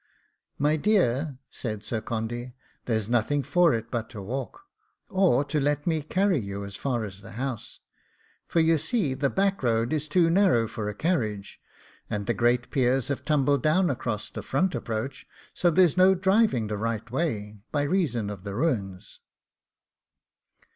'My dear,' said Sir Condy, 'there's nothing for it but to walk, or to let me carry you as far as the house, for you see the back road is too narrow for a carriage, and the great piers have tumbled down across the front approach; so there's no driving the right way, by reason of the ruins.